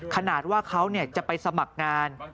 ขนาดว่าเขาจะไปสมัครงาน